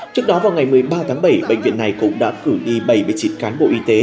trước đó vào ngày một mươi ba tháng bảy bệnh viện này cũng đã cử đi bảy mươi chín cán bộ y tế